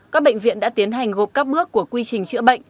các bệnh viện đã tiến hành gộp các bước của quy trình chữa bệnh